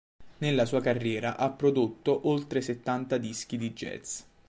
Nella sua carriera ha prodotto oltre settanta dischi di jazz.